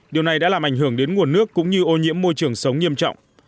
điều này đã làm ảnh hưởng đến nguồn nước cũng như ô nhiễm môi trường sống nghiêm trọng